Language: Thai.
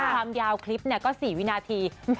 ความยาวคลิปก็๔วินาที